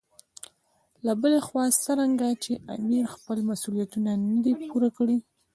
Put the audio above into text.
له بلې خوا څرنګه چې امیر خپل مسولیتونه نه دي پوره کړي.